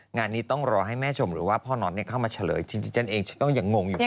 งานนี้ต้องรอให้แม่ชมหรือว่าพ่อน็อตเข้ามาเฉลยจริงฉันเองฉันก็ยังงงอยู่